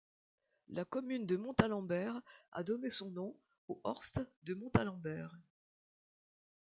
La commune de Montalembert a donné son nom au horst de Montalembert.